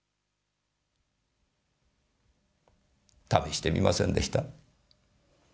試してみませんでした？